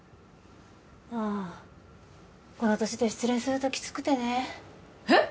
ああこの年で失恋するとキツくてねえっ！？